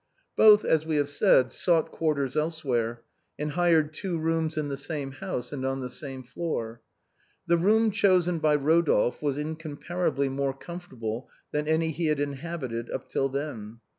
Both, as we have said, sought quarters elsewhere, and hired two rooms in the same house and on the same floor. The room chosen by Eodolphe was incomparably more comfortable than any he had inhabited up till then.